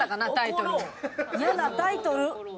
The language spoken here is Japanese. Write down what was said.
イヤなタイトル。